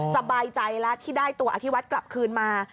สบายใจแล้วที่ได้ตัวอธิวัฒน์กลับคืนมา